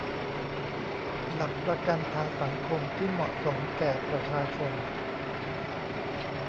หลักประกันทางสังคมที่เหมาะสมแก่ประชาชน